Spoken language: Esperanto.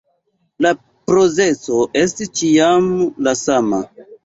La procezo estis ĉiam la sama..